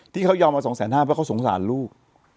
ที่เขายอมเอา๒แสน๕เพราะก็สงสารลูก